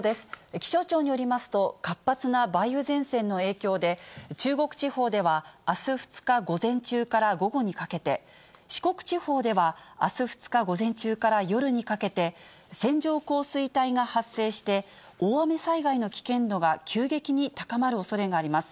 気象庁によりますと、活発な梅雨前線の影響で、中国地方ではあす２日午前中から午後にかけて、四国地方ではあす２日午前中から夜にかけて、線状降水帯が発生して、大雨災害の危険度が急激に高まるおそれがあります。